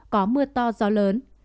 có mưa to gió lớn